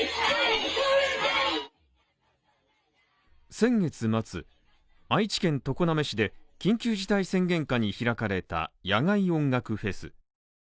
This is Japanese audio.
先月末、愛知県常滑市で緊急事態宣言下に開かれた野外音楽フェス。